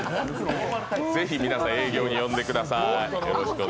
是非、皆さん営業に呼んでください。